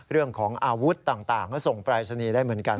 เรื่องของอาวุธต่างก็ส่งปรายศนีย์ได้เหมือนกัน